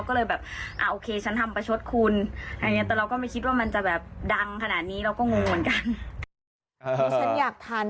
โอเคฉันทำประชดคุณอย่างเนี่ยแต่เราก็ไม่คิดว่ามันจะแบบดังขนาดนี้เราก็งงกัน